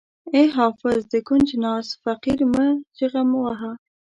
ای حافظ د کونج ناست فقیر مه چیغه وهه.